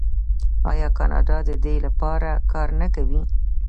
آیا کاناډا د دې لپاره کار نه کوي؟